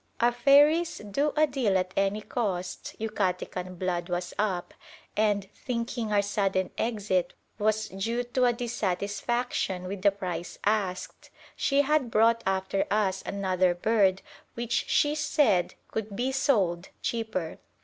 Our fairy's do a deal at any cost Yucatecan blood was up, and, thinking our sudden exit was due to a dissatisfaction with the price asked, she had brought after us another bird which she said could be sold cheaper.